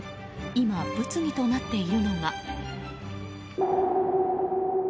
今、物議となっているのが。